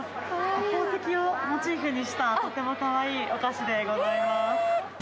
宝石をモチーフにした、とてもかわいいお菓子でございます。